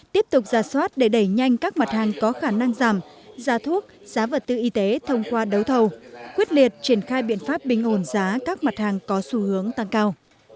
tiếp tục giả soát để đẩy nhanh các mặt hàng có khả năng giảm giá thuốc giá vật tư y tế thông qua đấu thầu quyết liệt triển khai biện pháp bình ổn giá các mặt hàng có xu hướng tăng cao